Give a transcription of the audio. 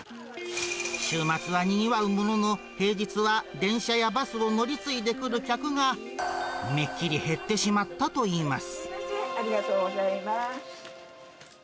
週末はにぎわうものの、平日は電車やバスを乗り継いで来る客が、めっきり減ってしまったといいます。